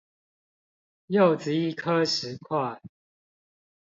柚子一顆十塊